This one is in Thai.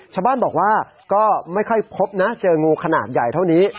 ชาวบ้านบอกว่าก็ไม่ค่อยพบนะเจองูขนาดใหญ่เท่านี้